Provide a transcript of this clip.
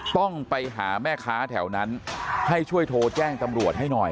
ต้องไปหาแม่ค้าแถวนั้นให้ช่วยโทรแจ้งตำรวจให้หน่อย